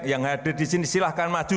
yang hadir di sini silahkan maju